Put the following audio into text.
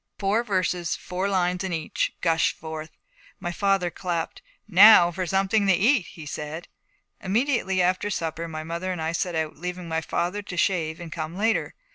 Four verses, four lines in each, gushed forth. My father clapped. 'Now for something to eat,' he said. Immediately after supper my mother and I set out, leaving my father to shave and come later.